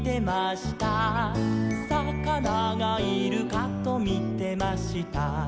「さかながいるかとみてました」